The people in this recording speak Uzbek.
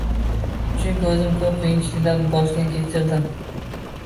Chunki o’zim ko’p qiyinchiliklarni boshdan kechirdim.